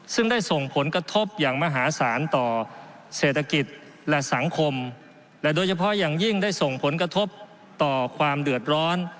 ซึ่งได้ส่งผลกระทบอย่างมหาศาลต่อเศรษฐกิจและสังคมและโดยเฉพาะอย่างยิ่งได้ส่งผลกระทบต่อความเดือดร้อน